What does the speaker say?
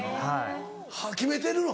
決めてるの？